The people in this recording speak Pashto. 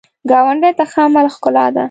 ګاونډي ته ښه عمل ښکلا ده